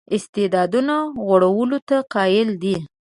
استعدادونو غوړولو ته قایل دی.